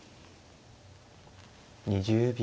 ２０秒。